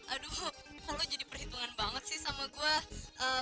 aduh lo jadi perhitungan banget sih sama gue